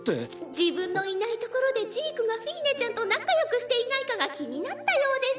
自分のいない所でジークがフィーネちゃんと仲よくしていないかが気になったようです。